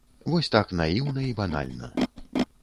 Вось так наіўна і банальна.